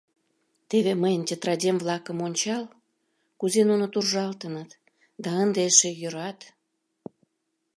Теве мыйын тетрадем-влакым ончал, кузе нуно туржалтыныт да ынде эше йӧрат.